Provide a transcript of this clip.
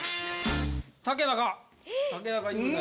竹中。